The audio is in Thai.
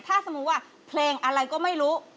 ถ้าสมมุติว่าเพลงอะไรก็ไม่รู้